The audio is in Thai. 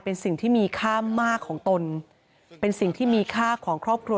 เป็นสิ่งที่มีค่ามากของตนเป็นสิ่งที่มีค่าของครอบครัว